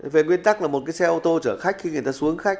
về nguyên tắc là một cái xe ô tô chở khách khi người ta xuống khách